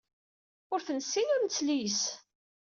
Ur t-nessin, ur nesli yes-s.